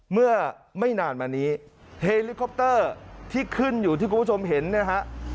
เมื่อไม่นานมานี้เฮลิคอปเตอร์ที่ขึ้นอยู่ที่คุณผู้ชมเห็นเนี่ยฮะ